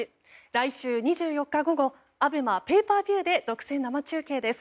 来週２４日午後ＡＢＥＭＡペイパービューで独占生中継です。